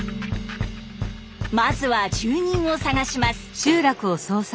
まずは住人を捜します。